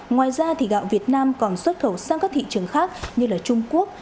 ngoài ra gạo việt nam còn xuất khẩu sang các thị trường khác như trung quốc